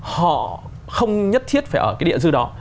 họ không nhất thiết phải ở cái địa dư đó